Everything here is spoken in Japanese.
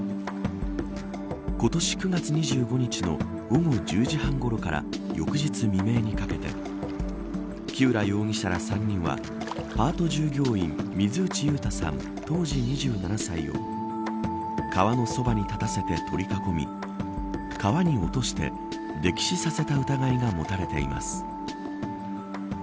今年９月２５日の午後１０時半ごろから翌日未明にかけて木浦容疑者ら３人はパート従業員、水内悠太さん当時２７歳を川のそばに立たせて取り囲み川に落として溺死させた疑いが持たれています。